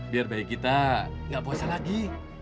biar bayi kita nggak puasa lagi